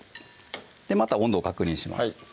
また温度を確認します